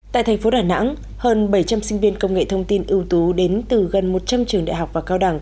tại thành phố đà nẵng hơn bảy trăm linh sinh viên công nghệ thông tin ưu tú đến từ gần một trăm linh trường đại học và cao đẳng